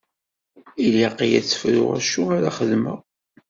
Ilaq-iyi ad tt-fruɣ acu ara xedmeɣ.